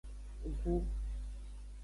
Gu.